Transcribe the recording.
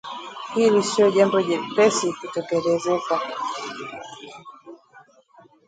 Hili sio jambo jepesi kutekelezeka